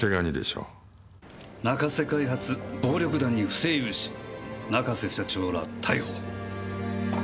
「仲瀬開発暴力団に不正融資」「仲瀬社長ら逮捕」！